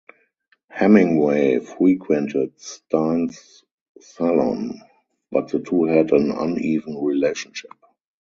Hemingway frequented Stein's salon, but the two had an uneven relationship.